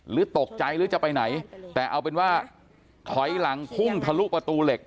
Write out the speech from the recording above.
หรือตกใจหรือจะไปไหนแต่เอาเป็นว่าถอยหลังพุ่งทะลุประตูเหล็ก